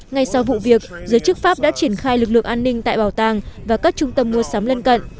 ngay sau vụ việc giới chức pháp đã triển khai lực lượng an ninh tại bảo tàng và các trung tâm mua sắm lân cận